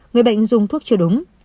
người bệnh dùng thuốc chưa đúng